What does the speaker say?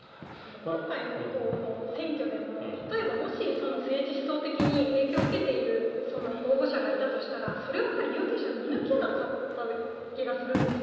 今回の選挙でも例えば、もし政治思想的に影響を受けている候補者がいたとしたらそれはやっぱり有権者は見抜けなかった気がするんです。